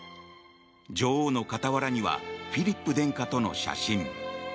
女王の傍らにはフィリップ殿下との写真。